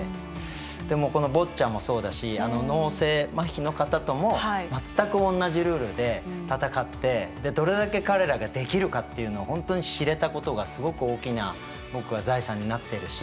このボッチャもそうだし脳性マヒの方とも全く同じルールで戦ってどれだけ彼らができるかっていうのを本当に知れたことがすごく大きな僕は財産になってるし。